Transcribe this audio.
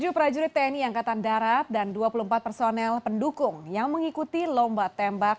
tujuh prajurit tni angkatan darat dan dua puluh empat personel pendukung yang mengikuti lomba tembak